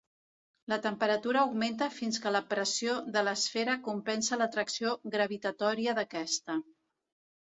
La temperatura augmenta fins que la pressió de l'esfera compensa l'atracció gravitatòria d'aquesta.